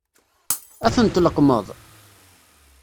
Ad ten-tleqqmeḍ?